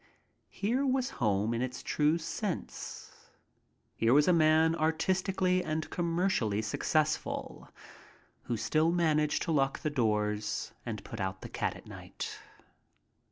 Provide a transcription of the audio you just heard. Here was home in its true sense. Here was a man artistically and commercially successful who still managed to lock the doors and put out the cat at night.